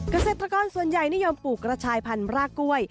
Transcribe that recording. เกษตรกรส่วนใหญ่นิยมปลูกกระชายพันธรากกล้วย